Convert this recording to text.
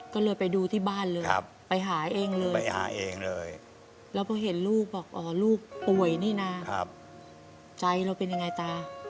ก็เลยไปดูที่บ้านเลยไปหาเองเลยไปหาเองเลยแล้วพอเห็นลูกบอกอ๋อลูกป่วยนี่นะใจเราเป็นยังไงตา